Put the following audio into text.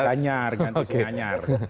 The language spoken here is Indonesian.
ganjar ganti singanyar